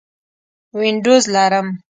وینډوز لرم